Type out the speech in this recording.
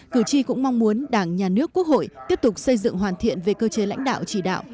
cử tri cũng mong muốn đảng nhà nước quốc hội tiếp tục xây dựng hoàn thiện về cơ chế lãnh đạo chỉ đạo